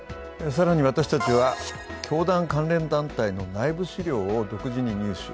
更に私たちは教団関連団体の内部資料を独自に入手。